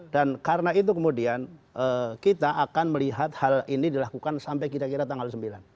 dan karena itu kemudian kita akan melihat hal ini dilakukan sampai kira kira tanggal sembilan